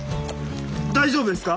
大丈夫ですか？